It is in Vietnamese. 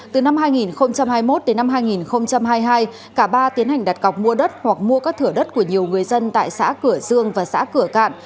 từ năm hai nghìn hai mươi một đến năm hai nghìn hai mươi hai cả ba tiến hành đặt cọc mua đất hoặc mua các thửa đất của nhiều người dân tại xã cửa dương và xã cửa cạn